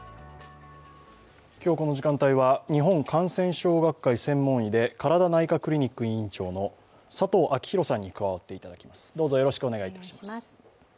今日この時間帯は日本感染症学会専門医でＫＡＲＡＤＡ内科クリニック院長の佐藤昭裕さんに加わっていただきます。